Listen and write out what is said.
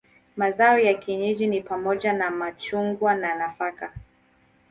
Mazao ya kienyeji ni pamoja na machungwa na nafaka.